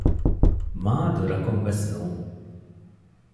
މާދުރަކުން ވެސް ނޫން